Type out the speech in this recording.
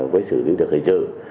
với xử lý được hay chưa